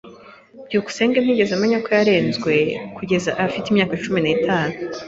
byukusenge ntiyigeze amenya ko yarezwe kugeza afite imyaka cumi n'itatu.